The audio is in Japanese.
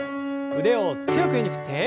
腕を強く上に振って。